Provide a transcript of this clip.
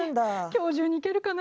今日中に行けるかな？